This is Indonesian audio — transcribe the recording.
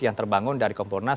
yang terbangun dari komponas